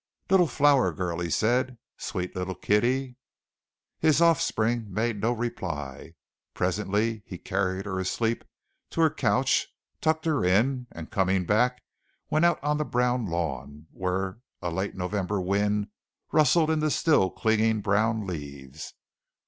"Little flower girl," he said. "Sweet little kiddie." His offspring made no reply. Presently he carried her asleep to her couch, tucked her in, and, coming back, went out on the brown lawn, where a late November wind rustled in the still clinging brown leaves.